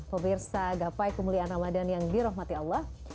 pemirsa gapai kemuliaan ramadan yang dirahmati allah